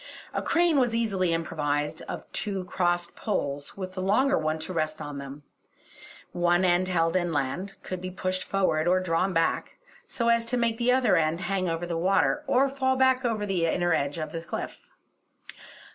A crane was easily improvised of two crossed poles, with a longer one to rest on them; one end held inland, could be pushed forward or drawn back, so as to make the other end hang over the water or fall back over the inner edge of the cliff.